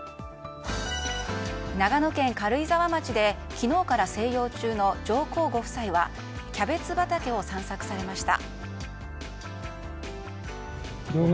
長野県軽井沢町で昨日から静養中の上皇ご夫妻はキャベツ畑を散策されました。